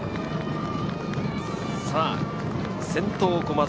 先頭、駒澤。